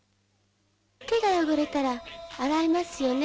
手が汚れたら洗いますよね。